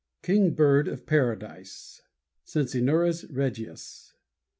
=KINGBIRD OF PARADISE.= _Cincinnurus regius.